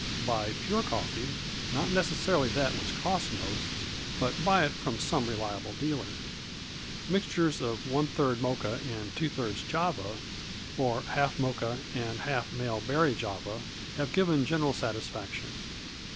Buy pure coffee not necessarily that which costs most but buy it from some reliable dealer. Mixtures of one third Mocha and two thirds Java, or half Mocha and half male berry Java, have given general satisfaction.